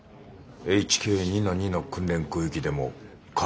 ＨＫ２−２の訓練空域でも可能か？